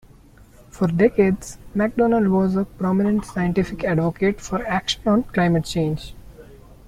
For decades, MacDonald was a prominent scientific advocate for action on climate change.